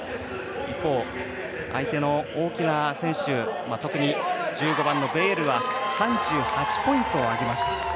一方、相手の大きな選手特に１５番のベイエルは３８ポイントを挙げました。